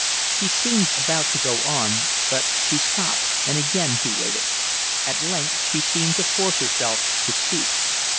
She seemed about to go on, but she stopped, and again he waited. At length she seemed to force herself to speak.